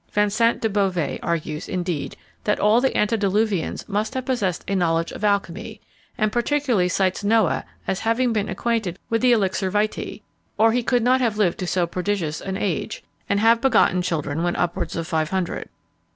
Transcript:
Vincent de Beauvais argues, indeed, that all the antediluvians must have possessed a knowledge of alchymy; and particularly cites Noah as having been acquainted with the elixir vitæ, or he could not have lived to so prodigious an age, and have begotten children when upwards of five hundred.